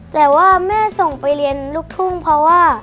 แต่ว่าแม่ส่งไปเรียนลูกทุ่งเพราะว่า